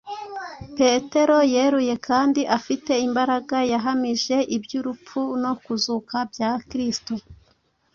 Petero yeruye kandi afite imbaraga yahamije iby’urupfu no kuzuka bya Kristo